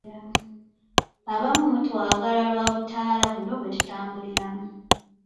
Abamu mutwagala lwabutaala buno bwetutambuliramu.